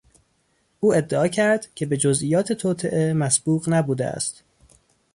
او ادعا کرد که به جزئیات توطئه مسبوق نبوده است.